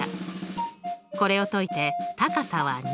これを解いて高さは２。